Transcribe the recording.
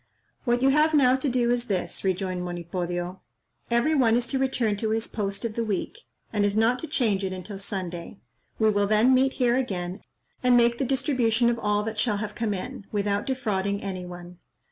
"What you have now to do is this," rejoined Monipodio: "Every one is to return to his post of the week, and is not to change it until Sunday. We will then meet here again, and make the distribution of all that shall have come in, without defrauding any one.